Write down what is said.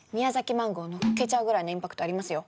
マンゴーのっけちゃうぐらいのインパクトありますよ。